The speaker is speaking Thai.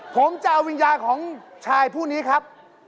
ผมจะเอาวิญญาณของชายผู้นี้ครับ